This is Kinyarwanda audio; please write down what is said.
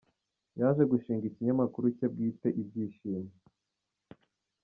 Yaje gushinga ikinyamakuru cye bwite Ibyishimo.